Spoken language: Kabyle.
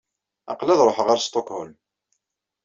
Aql-i ad ṛuḥeɣ ɣer Stockholm.